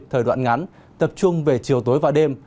thời đoạn ngắn tập trung về chiều tối và đêm